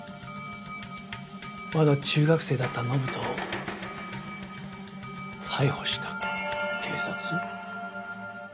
まだ中学生だった延人を逮捕した警察？